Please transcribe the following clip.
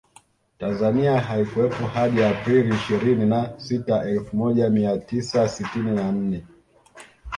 Tanzania haikuwepo hadi Aprili ishirini na sita Elfu moja mia tisa sitini na nne